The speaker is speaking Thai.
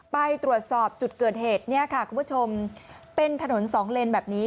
ไปตรวจสอบจุดเกิดเหตุเนี่ยค่ะคุณผู้ชมเป็นถนนสองเลนแบบนี้